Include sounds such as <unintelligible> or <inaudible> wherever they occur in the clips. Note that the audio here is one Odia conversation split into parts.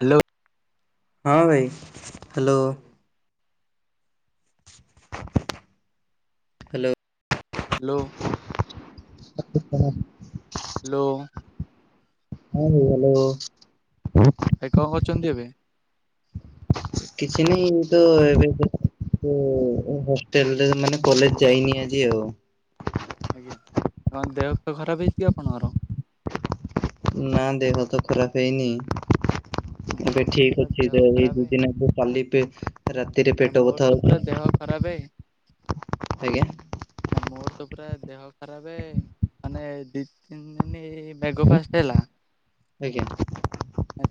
ହ୍ୟାଲୋ। ହଁ, ଭାଇ। ଭାଇ କଣ ହ୍ୟାଲୋ। କରୁଛନ୍ତି ଏବେ? ହ୍ୟାଲୋ। ହ୍ୟାଲୋ। <unintelligible> ଖରାପ। ହ୍ୟାଲୋ। <unintelligible> ହ୍ୟାଲୋ। ଭାଇ କଣ କରୁଚନ୍ତି ଏବେ? କିଛି ନାହିଁ, ଏମତି ତ ଏବେ ଏ ହଷ୍ଟେଲରେ ମାନେ କଲେଜ ଯାଇନି ଆଜି ଆଉ। ଆଜ୍ଞା। କଣ ଦେହ ପେହ ଖରାପ ହେଇଛି ଆପଣଙ୍କର? ନା ଦେହ ତ ଖରାପ ହେଇନି ଏବେ ମୋର ତ ଠିକ ପୁରା ଅଛି ଦେହ ତ ଏଇ ଖରାପ ଦି ଦିନ ହବ କାଲି ପେ ରା ନାଇଁ, ମୋର ତ ପୁରା ଦେହ ଖରାପ ହେଇ ଆଜ୍ଞା ନା ମୋର ତ ପୁରା ଦେହ ଖରାପେ ମାନେ ଦି ତିନି ଦିନି ଏଇ ମେଘ ଫାଷ୍ଟ ହେଲା ଆଜ୍ଞା।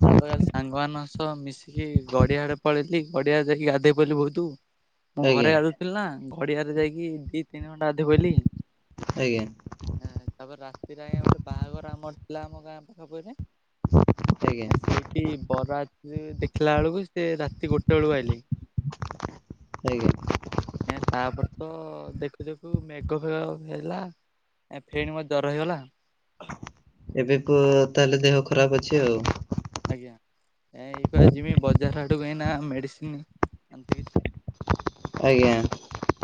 ତାପରେ କାଲି ସାଙ୍ଗମାନଙ୍କ ସହ ମିଶିକି ଗଡିଆ ଆଡେ ପଳେଇଥିଲି, ଗଡିଆ ଯାଇକି ଗାଧେଇ ପଇଲି ବହୁତୁ। ମୁଁ ଆଜ୍ଞା ଘରେ ଗାଧଉଥିଲି ନା, ଘଡିଆରେ ଯାଇକି ଦି, ତିନି ଘଣ୍ଟା ଗାଧେଇ ପଇଲି ଆଜ୍ଞା। ହଁ, ତାପରେ ରାତିରେ ଆଜ୍ଞା ଗୋଟେ ବାହାଘର ଆମର ଥିଲା ଆମ ଗାଁ ପାଖ କହିଲେ ଆଜ୍ଞା। ସେଇଠି ବରଯାତ୍ରୀ ଦେଖିଲା ବେଳକୁ ସେ ରାତି ଗୋଟେ ବେଳକୁ ଆଇଲି ଆଜ୍ଞା। ଆଜ୍ଞା। ତାପରେ ତ ଦେଖୁ ଦେଖୁ ମେଘ ଫେଗ ହେଲା ଆ ଫେଣି ମୋତେ ଜର ହେଇଗଲା ଆଉ। ଏବେକୁ ତାହେଲେ ଦେହ ଖରାପ ଅଛି ଆଉ? ଆଜ୍ଞା। ଏଇ ବା ଯିମି ବଜାର ଆଡ଼କୁ ଏଇନା ମେଡ଼ିସିନ ଏମତି କିଛି ଆଜ୍ଞା।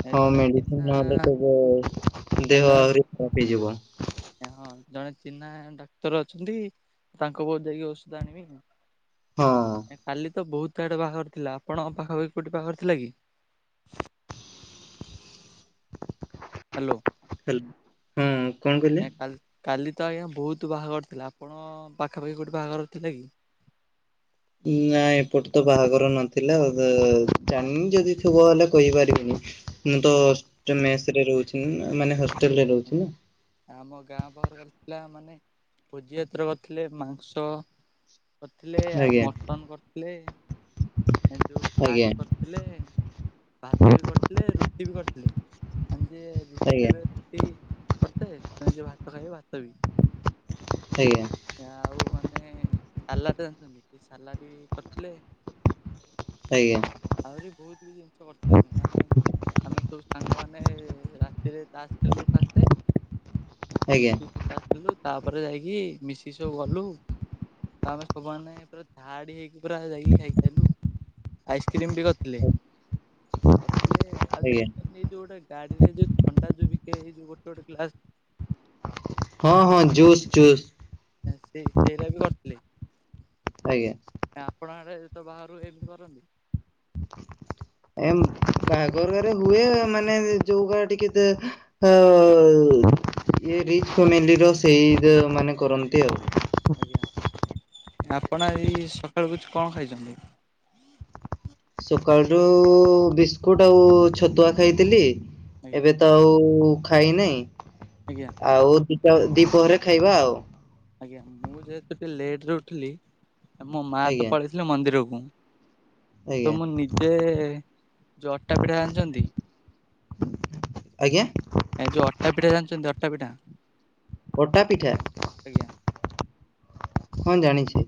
ଏ ହଁ ଜଣେ ମେଡିସିନ ଚିହ୍ନା ନହେଲେ ତ ଏ ଦେହ ଆହୁରି ଖରାପ ହେଇଯିବ। ଆଜ୍ଞା ହଁ, ଜଣେ ଚିହ୍ନା ଡାକ୍ତର ଅଛନ୍ତି, ତାଙ୍କ ପାଖକୁ ଯାଇକି ଔଷଧ ଆଣିବି ଆଉ। ହଁ। କାଲି ତ ବହୁତ ଆଡେ ବାହାଘର ଥିଲା, ଆପଣଙ୍କ ପାଖାପାଖି କୋଉଠି ବାହାଘର ଥିଲା କି? ହ୍ୟାଲୋ। ହ୍ୟାଲୋ। ହଁ କଣ କହିଲେ? ନାଇଁ କାଲି କାଲି ତ ଆଜ୍ଞା ବହୁତ ବାହାଘର ଥିଲା। ଆପଣ ପାଖାପାଖି କୋଉଠି ବାହାଘର ଥିଲା କି? ନାଇ ଏପଟେ ତ ବାହାଘର ନଥିଲା, ତ ଜାଣିନି ଯଦି ଥିବ ହେଲେ କହିପାରିବିନି। ମୁଁ ଆଜ୍ଞା। ତ ମେସରେ ରହୁଛି ନା ମାନେ ହଷ୍ଟେଲରେ ରହୁଛି ନା। ଆମ ଗାଁ ପାଖରେ କାଲି ଥିଲା ମାନେ ଭୋଜି ପାତ୍ର କରିଥିଲେ ମାଂସ କରିଥିଲେ ଆଉ ଆଜ୍ଞା। ମଟନ କରିଥିଲେ, ଏ ଯୋଉ ପାସ୍ ଆଜ୍ଞା କରିଥିଲେ ଭାତ ବି କରିଥିଲେ, ରୁଟି ବି କରିଥିଲେ। ଆଁ ଯିଏ ରୁଟି ଆଜ୍ଞା ଖାଇବେ ରୁଟି କରତେ ତମେ ଯୋଉ ଭାତ ଖାଇବ ଭାତ ବି। ଆଜ୍ଞା। ଆଉ ମାନେ ସାଲାଡ ଜାଣିଛନ୍ତି, ସେ ସାଲାଡ ବି କରିଥିଲେ ଆଜ୍ଞା। ଆହୁରି ବି ବହୁତ ବି ଜିନିଷ କରିଥିଲେ। ମାନେ ଆମେ ସବୁ ସାଙ୍ଗମାନେ ରାତିରେ ତାସ ଖେଳିଲୁ ଫାଷ୍ଟେ ଆ ଆଜ୍ଞା ମିଶିକ ତ ତାସ୍ ଖେଳିଲୁ, ତାପରେ ଯାଇକି ମିଶିକି ସବୁ ଗଲୁ ତ ଆମେ ସବୁମାନେ ପୁରା ଧାଡି ହେଇକି ପୁରା ଯାଇକି ଖାଇକି ଆଇଲୁ। ସକ୍ରିମ ବି କରିଥିଲେ, କରିଥିଲେ ଆଜି ଆଜ୍ଞା ଦେଖ ଏଇ ଯୋଉ ଗୋଟେ ଗାଡିରେ ଯୋଉ ଥଣ୍ଡା ଯୋଉ ବିକେ ହୁଏ ଯୋଉ ଗୋଟେ ଗୋଟେ ଗ୍ଲାସ ହଁ ହଁ ଜୁସ୍ ଜୁସ୍ ସେ ସେଇଟା ବି କରିଥିଲି ଆଜ୍ଞା ଆପଣ ଆଡେ ତ ବାହାରୁ ଏମିତି କରନ୍ତି ଏ ବାହାଘର ଘରେ ହୁଏ ମାନେ ଯୋଉ ଘରେ ଟିକେ ଇ ରଚ ଫ୍ୟାମିଲିର ସେଇ ମାନେ କରନ୍ତି ଆଉ ଆଜ୍ଞା ଆପଣ ଏଇ ସକାଳୁକୁ କଣ ଖାଇଛନ୍ତି ସକାଳ ରୁ ବିସ୍କୁଟ ଆଉ ଛତୁଆ ଖାଇଥିଲି ଆଜ୍ଞା ଏବେ ତ ଖାଇନହିଁ ଆଜ୍ଞା ଆଉ ଦିଟା ଦିପହରେ ଖାଇବା ଆଉ ଆଜ୍ଞା ମୁଁ ଯେହେତୁ ଟିକେ ଲେଟ ରେ ଉଠିଲି ମୋ ମା ତ ଆଜ୍ଞା ପଳେଇ ଥିଲ ମନ୍ଦିରକୁ ତ ଆଜ୍ଞା ମୁଁ ନିଜେ ଯୋଉ ଅଟା ପିଠା ଜଣିଛନ୍ତି ଆଜ୍ଞା ଏ ଯୋଉ ଅଟା ପିଠା ଜାଣିଛନ୍ତି ଅଟା ପିଠା ଗୋଟା ପିଠା ଆଜ୍ଞା କଣ ଜାଣିଛେ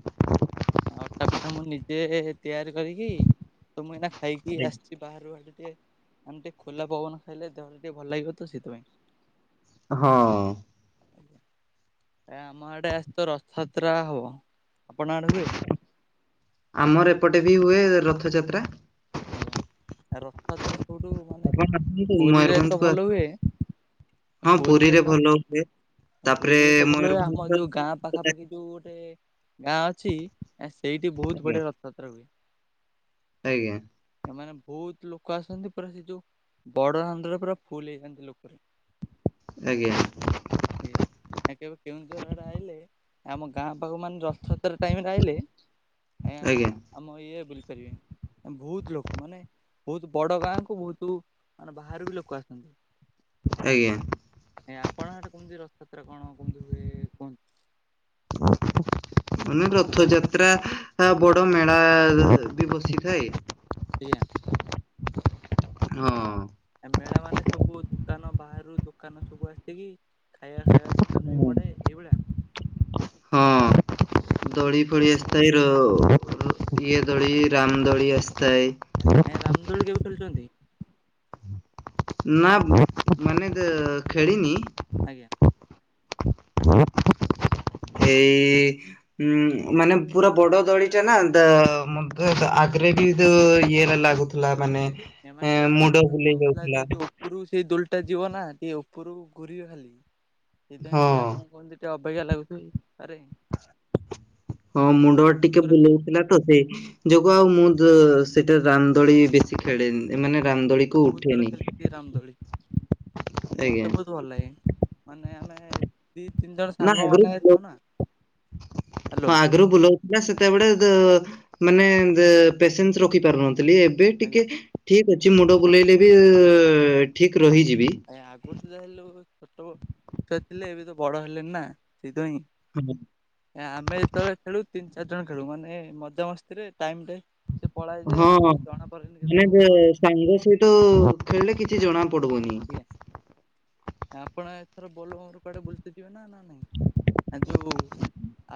ଅଟା ପିଠା ମୁଁ ନିଜେ ତିଆରି କରିକି ତ ମୁଁ ଏନା ଖାଇକି ଆସିଛି ବାହାରୁ ଆ ଟିକେ ଆମେ ଟିକେ ଖୋଲା ପବନ ଖାଇଲେ ଦେହ ଟିକେ ଭଲ ଲାଗିବ ତ ସେଥିପାଇଁ ହଁ ଆଜଞା ଆମ ଆଡେ ଆସ ତ ରଥଯାତ୍ରା ହବ ଆପଣ ଆଡେ ହୁଏ ଆମର ଏପଟେ ବି ହୁଏ ରଥଯାତ୍ରା ଆଜ୍ଞା ରଥପାତ୍ରା ସବୁଠୁ ମାନେ ଆପଣ ଆସନ୍ତୁ ପୁରୀରେ ତ ମୟୂରଭଞ୍ଜକୁ ଆସ ଭଲ ହୁଏ ହଁ ପୁରୀରେ ଭଲ ହୁଏ ତାପରେ ପୁରୀ ଯ ତ ଭଲ ହୁଏ ଆମର ଯୋଉ ଗାଁ ମୟୂରଭଞ୍ଜର ପାଖାପାଖି ଯୋଉ ଗୋଟେ ଗାଁ ଅଛି ସେଇଠି ବହୁତ ଆଜ୍ଞା ବଢିଆ ରଥଯାତ୍ରା ହୁଏ ଆଜ୍ଞା ଏମାନେ ବହୁତ ଲୋକ ଆସନ୍ତି ପୁରା ସେ ଯୋଉ ବଡ ହାଣ୍ଡରେ ପୁରା ଫୁଲ ହେଇଯାନ୍ତି ଲୋକରେ ୟ ଆଜ୍ଞା କେବେ କେଉଁ ଜୋର ଆଡେ ଆଇଲେ ଆମ ଗାଁ ପାଖକୁ ମାନ ରଥଯାତ୍ରା ଟାଇମେ ଆଇିଲେ ଆଜ୍ଞା ଆଜ୍ଞା ଆମ ଇଏ ବୁଲିପାରିବେ ବହୁତ ଲୋକ ମାନେ ବହୁତ ବଡ ଗାଁ କ ବହୁତ ମାନେ ବାହାରୁ ବି ଲୋକ ଆସନ୍ତି ଆଜ୍ଞା ଆଜ ଆପଣ ଏଠ କେମିତି ରଥଯାତ୍ରା କଣ କମିତି ହୁଏ କୁହ ଯ ମାନେ ରଥଯାତ୍ରା ବଡ ମେଳା ବି ବସିଥାଏ ଆଜ୍ଞା ହଁ ଆ ମେଳା ମାନେ ସବୁ ଦୋକାନ ବାହାରୁ ଦୋକାନ ସବୁ ଆସି କି ଖାଇବା ଖାଇବା ଦୁୋକାନ ବି ହୁଁ। ପଡେ ଏଇଭଳିଆ ଦଳି ପଳି ଆସିଥାଏ ର ଇଏ ଦୋଳି ରାମ ଦୋଳି ଆସିଥାଏ ରାମଦୋଳି କେବେ ଖେୁଛନ୍ତି ନା ମାନେ ତ ଖେଳିନି ଆଜ୍ଞା ଁ ଏଇ ଉଁ ମାନେ ପୁରା ବଡ ଦଳିଟା ନା ଆଗରେ ବି ଇଏ ହେଲା ଲାଗୁଥ ପଲା ମାନେ ଏମାନେ ଏଁ ମୁଣ୍ଡ ଟିକେ ବୁଲେଇ ଡରଥିଲା ଯାଉଥିଲା ଯେହେତୁ ଉପରୁ ସେଇ ଦୋଲ ଟା ଯିବ ନା ଟିକେ ଉପରୁ ଘୁରିବେ ଖାଲି ସେଇଥିପାଇଁ ହଁ ଟିକେ ଆପଣ କୁହନ୍ତି ଟିକେ ଅପେକ୍ଷା ଲାଗୁଥଛି ଆରେ ହଁ ମୁଁ ମୁଣ୍ଡ ତ ବହୁତ ଟିକେ ଥର ଖେଳିଛି ବୁଲଉଥିଲା ତ ସେଇ ଯୋଗ ଆଉ ମୁଁ ଦୋ ସେଟା ରାମଦୋଳି ବେଶୀ ଖେଳେନି ଏମାନେ ଆଜ୍ଞା ମୁଁ ରାମଦୋଳି ତ କୁ ବହୁତ ଥର ଉଠେନିକି ଖେଳିଛି ରାମଦୋଳି ଆଜ୍ଞା। ମତେ ଭଲାଗେ ମାନେ ଆମେ ଦି ତିନି ଜଣ ନା ସାଙ୍ଗ ମାନେ ଆଗରୁ ଯାଉ ନା ହାଲୋ ହଁ ଆଗରୁ ବୁଲାଉଥିଲା ସେତେବେଳେ ମାନେ ପେସେନ୍ସ ରଖି ପାରୁନଥିଲି। ଏବେ ଆଜ୍ଞା ଟିକେ ଠିକ୍ ଅଛି ମୁଣ୍ଡ ବୁଲେଇଲେ ବି ଠିକ୍ ରହିଯିବି। ଭାଇ ଆଗରୁ ତ ଯାହେଲୁ ଛୋଟ ଛୁଆ ଥିଲେ ଏବେ ତ ବଡ ହେଲେଣିି ନା ସେଇଥିଇଁ ହୁଁ। ଆମେ ଯେତେବେଳେ ଖେଳୁ ତିନି ଚାରି ଜଣ ଖେଳୁ ମାନେ ମଜା ମସ୍ତିରେ ଟାଇମି ଟା ସେ ପଳଏ ଯେ ହଁ ଆମକୁ ଜଣାପଡେନି ମାନେ ଯେ କେତେବେଳେ କ ସାଙ୍ଗ ସହିତ ଖେଳିଲେ କିଛି ଜଣା ପଡିବନି। ସରିଲା। ଆପଣ ଏଥର ବୋଲବମ୍ ରେ କୁଆଡେ ବୁଲିତେଜିବେ ନା ନାଇଁ। ଆ ଯୋଉ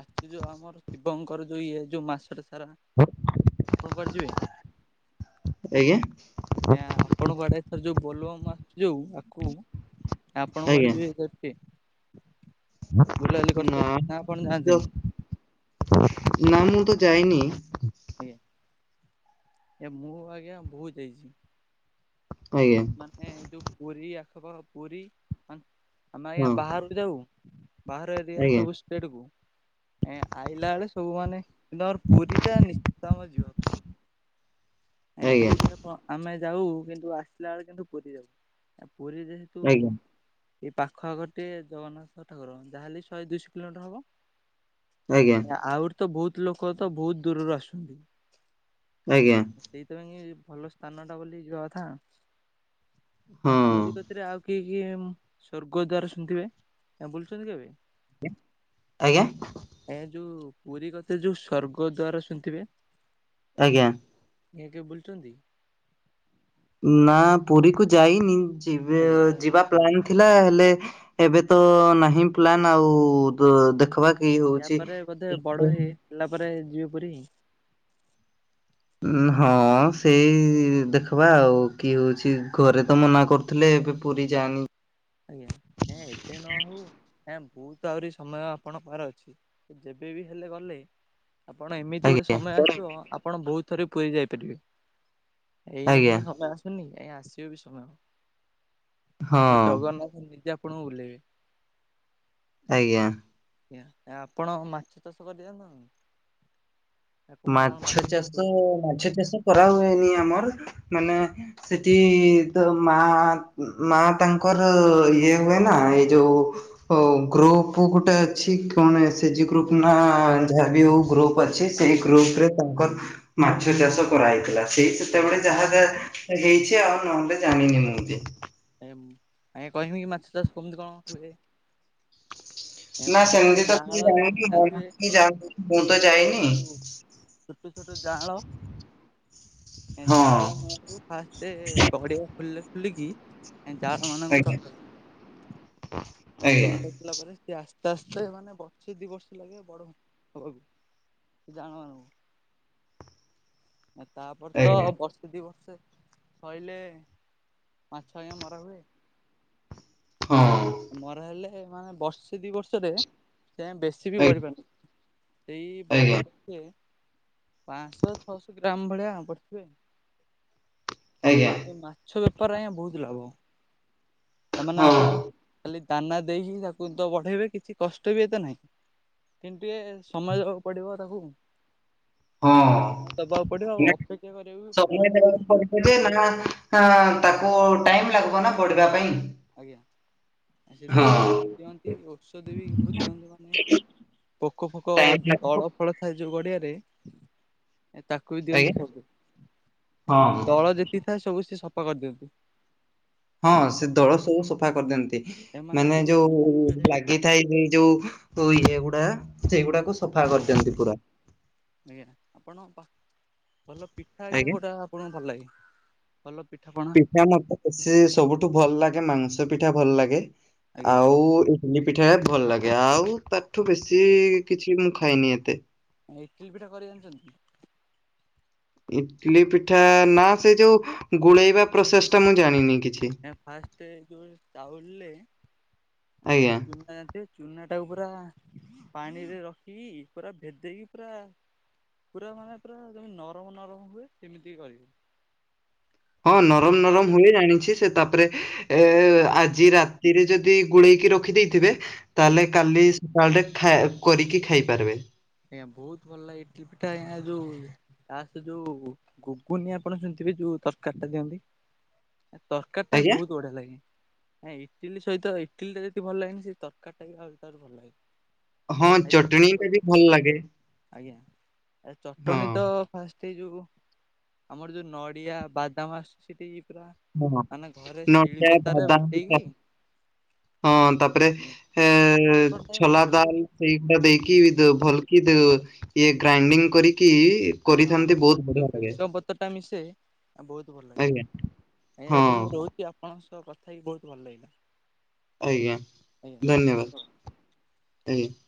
ଆଶୁଛି ଯୋଉ ଆମର ଶିବଙ୍କର ଯୋଉ ଇଏ ଯୋଉ ମାସଟା ସାରା ଆପଣ କୁଆଡ଼େ ଯିବେ? ଆଜ୍ଞା ଏଆ ପଣକୁ ଆଡେଏଥର ଯୋଉ ବୋଲବମ୍ ଯୋଉ ଆଖୁି ଆପଣ ଆଜ୍ଞା କୁଆଡେ ଯିବେ ବୁଲାବୁଲି ନା କରିତେ ନା ଆପଣ ଯାଆନ୍ତିନି? ନାମ ମୁ ତ ଯାଇନି। ଆଜ୍ଞା ଏ ମୁଁ ଆଜ୍ଞା ବହୁତ ଯାଇଛି। ଆଜ୍ଞା। ! ! ! ! ! ! ! ! ! ! ହଁ ବାହର ଏରିଆ ଆଜ୍ଞା। ସବୁ ସେଠକୁ ଏ ଆଇଲା ବେଳେ ସବୁ ମାନେ କିନ୍ତୁ ଆମର ପୁରୀଟା ନିଶ୍ଚିନ୍ତ ଆମର ଯିବା ପାଇଁ ଏଁ ଆଜ୍ଞା ଯୋଉଠି ଆପଣ ଆମେ ଯାଉ କିନ୍ତୁ ଆସିଲା ବେଳେ କିନ୍ତୁ ପୁରୀ ଯାଉ ପୁରୀ ଯେହ ତୁ ଆଜ୍ଞା ଏ ପାଖ ଆଖରେ ଗୋଟିଏ ଜଗନ୍ନାଥ ଠାକୁର ଯାହାହେଲେ ଶହେ ଦୁଇଶହ କିଲୋମିଟର ହବ। ଆଜ୍ଞା। ଆହୁରି ତ ବହୁତୁ ଲୋକ ତ ବହୁତୁ ଦୂରରୁ ଆସୁଛନ୍ତି। ଆଜ୍ଞା। ସେଇଥିପାଇଁ ଭଲ ସ୍ଥାନଟା ବୋଲି ଯିବା ହଁ କଥା ପୁରୀ କ ସେଥିରେ ଆଉ କେହି ସ୍ୱର୍ଗ ଦ୍ଵାର ଶୁଣିଥିବେ ବୁଲୁଛନ୍ତି କେବେ? ଆଜ୍ଞା। ଆଜ୍ଞା ଏ ଯୋଉ ପୁରୀ କତିରେ ଯୋଉ ସ୍ୱର୍ଗ ଦ୍ଵାର ଶୁଣିଥିବେ? ଆଜ୍ଞା। ଏ ମିତିସବୁ ବୁଲଛନ୍ତି? ନା ପୁରୀକୁ ଯାଇନି ଆଜ୍ଞା ଯିବେଆଉ ଯିବା। ପ୍ଲାନ୍ ଥିଲା ହେଲେ ଏବେ ତ ନାହିଁ ପ୍ଲାନ୍ ଆଉ ଦେଖବା। କି ୟା ହଉଛି ପରେ ବୋଧେ ବଡ ଉଁ ହେଇ ପିଲା ପରେ ଯିବ ପୂରୀ। ଉ ହଁ ସେଇ ଦେଖବା ଆଉ କି ହଉଛି ଘରେ ତ ମନା କରୁ ଥିଲେ ଏବେ ପୁରୀ ଯାନି। ଆଜ୍ଞା ହେଁ ଏବେ ନ ହଉ ହେଁ ବହୁତ ଆହୁରି ସମୟ ଆପଣ ପାଖରେ ଅଛି। ଯେବେ ବି ହେଲେ ଗଲେ ଆପଣ ଏମିତି ଗୋଟେ ଆଜ୍ଞା ସମୟ ଆସଥିବ ଆପଣ ବହୁତ ଥରେ ପୁରୀ ଯାଇପାରିବେ। ଏଇନା ଆଜ୍ଞା ସିନା ସମୟେ ଆସୁନି ଏଇ ଆସିବେ ବି ସମୟ। ହଁ ଏ ଜଗନ୍ନାଥ ନିଜେ ଆପଣଙ୍କୁ ବୁଲାଇବେ। ଆଜ୍ଞା। ଆଜ୍ଞା ନା ଆପଣ ମାଛ ଚାଷ କରିଜାଣିଛନ୍ତି ମାଛ ଚାଷ ମାଛ ଚାଷ କରା ହୁଏନି ଆମର ମାନେ ସେଠି ତ ମା ମା ତାଙ୍କର ଇଏ ହୁଏନା ଏଇ ଯୋଉ ହଉ ଗ୍ରୋପ ଗୋଟେ ଅଛି କଣ ଏସେଚି ଜି ଗ୍ରୋପ ନା ଯାହାବି ହଉ ଗ୍ରୋପ ଆଜ୍ଞା ସେଇ ଗ୍ରୁପ ରେ ତାଙ୍କର ମାଛ ଚାଷ କରାହେଇଥିଲା ସେଇ ସେତେବେଳେ ଆଜ୍ଞା ଯାହା ଯାହା ହେଇଚି ଆଉ ନହେଲେ ଜାଣିନି ମୁଁ ବି। ଆଁ ଆଜ୍ଞା କହିବି କି ମାଛ ଚାଷ କେମିତି କଣ ହୁଏ? ନା ଫାଷ୍ଟ ସେମିତି ତ କିଛି ଯାଁଆଳ ଜାଣିନି ଜାଣିଥିବେ ମୁଁ ଯା ମୁଁ ତ ଯାଇନି <unintelligible> ଛୋଟ ଛୋଟ ଜାଆଁଳ ଏ ହଁ ଜାଆଁଳ <unintelligible> ଫାଷ୍ଟ ଏ ଗଡ଼ିଆ <unintelligible> ଖଲିଲ କି ଜାଆଁଳ ମାନଙ୍କୁ ଆଜ୍ଞା ରଖନ୍ତି ଆଜ୍ଞା ରଖିଥିଲା ପରେ ସେ ଆସ୍ତେ ଆସ୍ତେ ମାନେ ବର୍ଷେ ଦି ବର୍ଷ ଲାଗେ ବଡ ହବାକୁ ସେ ଜାଆଁଳା ମାନଙ୍କୁ ତାପରେ ତ ଆଜ୍ଞା ବର୍ଷ ଦୁଇ ବର୍ଷେ ଶଇିଲେ ମାଛ ଆଜ୍ଞା ମରା ହୁଏ। ହଁ। ମରା ହେଲେ ମାନେ ବର୍ଷେ ଦି ବର୍ଷରେ ସେ ବେଶୀ ସି ବିି ଆଜ୍ଞା ବଢ଼ି <unintelligible> ପାରୁ ସେଇ ଆଜ୍ଞା ବଢ଼ି ପାଞ୍ଚଶହ ଛଅଶହ ଗ୍ରାମ ଭଳିଆ ବଢିଥିବେ। ଆଜ୍ଞା ମାଛ ବେପାର ଆଜ୍ଞା ବହୁତ ଲାଭ ମାନେ ହଁ ଆପଣ ଖାଲି ଦାନା ଦେଇକି ତାକୁ ତ ବଢେଇବେ କିଛି କଷ୍ଟ ବି ଏତେ ନାହିଁ। କିନ୍ତୁ ଟିକେ ସମୟକୁ ପଡ଼ିବ ତାକୁ ହଁ ଦବାକୁ ପଡିବ ଆଉ ନା ଅପେକ୍ଷା କରିବାକୁ ବି ପଡିବ। <inaudible> ନା ତାକୁ ଟାଇମ ଲାଗିବ ନା ଵଢିବା ପାଇଁ ଆଜ୍ଞା ଆ ସେଥିାଇଁ ହଁ ଧ୍ୟାନ ଦିଅନ୍ତି ଔଷଧ ବି ବହୁତ ଦିଅନ୍ତି। ପୋକ ଫୋକ ଟାଇମ ଯୋଉ ଲାଗିବ ଦଳ ଫଳ ଥାଏ ଯୋଉ ଗଡିଆରେ ଏ ତାକୁ ବି ଆଜ୍ଞା ଦିଅନ୍ତି <unintelligible> ଖେଳୁ ସେ ଯେଉଁ ହଁ। ଦଳ ଯେତିକି ଥାଏ ସବୁ ସେ ସଫା କରିଦିଅନ୍ତି। ହଁ ସେ ଦଳ ସବୁ ସଫା କରିଦିଅନ୍ତି ମାନେ ଯୋଉ ଏ ଲାଗିଥାଇ ସେ ଯୋଉ ଇଏ ଗୁଡା ସେଇଗୁଡାକୁ ସଫା ଆଜ୍ଞା କରିଦିଅନ୍ତି ପୁରା। ଆଜ୍ଞା ଆପଣ ଭଲ ପିଠା ଆଜ୍ଞା ଗୋଟା କଣ ଭଲ ଲାଗେ ଭଲ ପିଠା ପଣା? ପା ମତେ ସେ ସବୁଠୁ ଭଲ ଲାଗେ ମାଂସ ପିଠା ଭଲ ଲାଗେ ଆଜ୍ଞା। ଆଉ <unintelligible> ଚିନି ପିଠା ଭଲ ଲାଗେ ଆଉ ତାଠୁ ବେଶୀ କିଛି ମୁଁ ଖାଇନି ଏତେ ଇଟଲି ପିଠା କରି ଆଣିଛନ୍ତି? ଇଟଲିି ପିଠା ନା ସେ ଯୋଉ ଗୋଳେଇବା ପ୍ରୋସେସ ଟା ମୁଁ ଜାଣିନି କିଛି ଫାର୍ଷ୍ଟ ଏ ଯୋଉ ଚାଉଲରେ ଆଜ୍ଞା ଚୁନା ଦେ ଚୁନା ଟାକୁ ପୁରା ପାଣିରେ ରଖିକି ପୁରା ଭେଦେଇକି ପୁରା ପୁରା ମାନେ ପୁରା ଯେମି ନରମ ନରମ ହୁଏ ସେମିତି କରିବେ। ହଁ ଆଜ୍ଞା ନରମ ନରମ ହୁଏ ଜାଣିଛି ସେ ତାପରେ ଏ ଆଜି ରା ରେ ଯଦି ଗୋଳେଇକି ରଖିଦେଇଥିବେ ଆଜ୍ଞା। ତାହେଲେ କାଲି ସକାଳରେ ଖ କରିକି ଖାଇପାରିବେ ଏ ବହୁତ ଭଲ ଇଟଲି ପିଠା ଆଜ୍ଞା ଯୋଉ ତା ସେ ଯୋଉ ଗୁଗୁନି ଆପଣ ଶୁଣିଥିବେ ଯୋଉ ତରକାରୀ ଟା ଦିଅନ୍ତି ତରକାରୀ ଟା ବି ଆଜ୍ଞା। ବହୁତ ବଢିଆ ଲାଗେ। ନାଇଁ ଇଟିଲି ସହିତ ଇଟିଲି ଟା ଯଦି ଭଲ ଲାଗେନି ସେ ତରକାର ଟା ବି ଆଉ ଭଲ ଲାଗେ ହଁ କେବେ ଚଟଣୀ ଖାଇଥିବେ ଟା ବି ଭଲ ଲାଗେ ଆଜ୍ଞା ଆ ହଁ ଚଟଣୀ ତ ଫାଷ୍ଟ ଯୋଉ ଆମର ଯୋଉ ନଡ଼ିଆ ବାଦାମ ଆସୁ ସେଠି ପୁରା ହଁ ମାନେ ଘରେ <unintelligible> ଶିଳି ନୋଠଆ ପତାରେ ବାଦ ବାଟେଇକି <unintelligible> ହଁ ତାପରେ ଏ ଚଟଣିଟା ବି ବହୁତ ଛୋଲା ଭଲ ଦାଲ ସେଇଗୁଡା ଦେଇକି ଲାଗେ ଭଲ କି ଇଏ ଗ୍ରାଇଣ୍ଡିଙ୍ଗ କରିକି କରିଥାନ୍ତି ବହୁତ ବଢିଆ ଲାଗେ। <unintelligible> ଗତଟା ମିଶେ ଆଉ ବହୁତ ଭଲ ଲାଗେ ଆଜ୍ଞା ଆଜ୍ଞା ହଁ ଏବେ ମୁଁ ରହୁଚି ଆପଣଙ୍କ ସହ କଥା ହେଇକି ବହୁତ ଭଲ ଲାଗିଲା ଆଜ୍ଞା ଧନ୍ୟବାଦ ଆଜ୍ଞା।